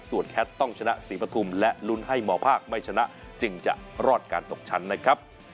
ส่วนแคทต้องชนะศรีปฐุมและลุ้นให้มภาคไม่ชนะจึงจะรอดการตกชั้นนะครับ